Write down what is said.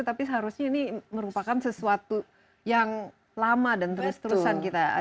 tapi seharusnya ini merupakan sesuatu yang lama dan terus terusan kita